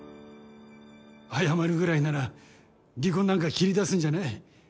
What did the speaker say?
謝るぐらいなら離婚なんか切り出すんじゃない。